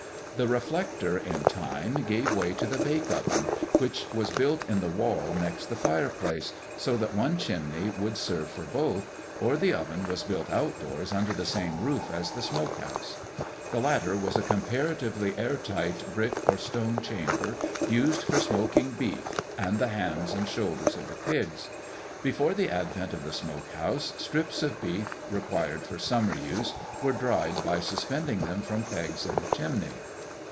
The reflector in time gave way to the bake oven, which was built in the wall next the fire place, so that one chimney would serve for both, or the oven was built outdoors under the same roof as the smoke house. The latter was a comparatively air tight brick or stone chamber used for smoking beef, and the hams and shoulders of the pigs. Before the advent of the smoke house, strips of beef required for summer use were dried by suspending them from pegs in the chimney.